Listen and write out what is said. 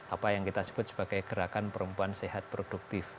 apa yang kita sebut sebagai gerakan perempuan sehat produktif